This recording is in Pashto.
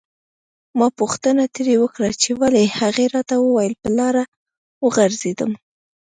ما پوښتنه ترې وکړه چې ولې هغې راته وویل په لاره وغورځیدم.